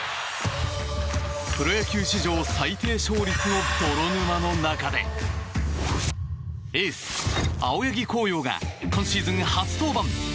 プロ野球史上最低勝率の泥沼の中でエース、青柳晃洋が今シーズン初登板。